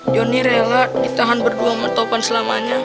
johnny rela ditahan berdua sama topan selamanya